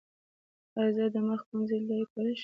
ایا زه د مخ ګونځې لرې کولی شم؟